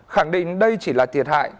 khẳng định đây chỉ là thiệt hại